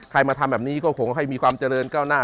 มาทำแบบนี้ก็คงให้มีความเจริญก้าวหน้า